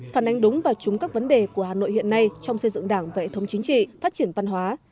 phản ánh đúng và trúng các vấn đề của hà nội hiện nay trong xây dựng đảng và hệ thống chính trị phát triển văn hóa